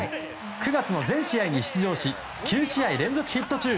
９月の全試合に出場し９試合連続ヒット中。